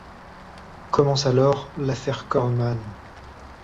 Commence alors l’affaire Kornmann.